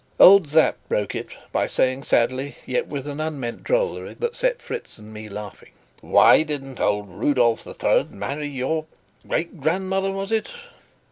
Old Sapt broke it by saying sadly, yet with an unmeant drollery that set Fritz and me laughing: "Why didn't old Rudolf the Third marry your great grandmother, was it?"